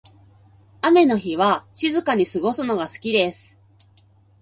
雨の日は静かに過ごすのが好きです。